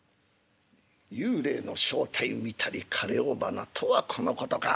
『幽霊の正体見たり枯れ尾花』とはこのことか。